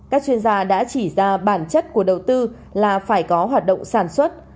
các chuyên gia đã chỉ ra bản chất của đầu tư là phải có hoạt động sản xuất